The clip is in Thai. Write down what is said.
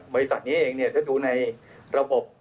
บริษัทนี้เองเนี่ยถ้าดูในระบบ